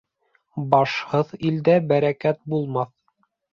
Башһыҙ илдә бәрәкәт булмаҫ.